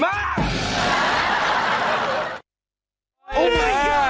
มา